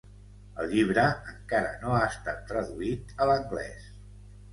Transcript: El llibre encara no ha estat traduït a l'anglès.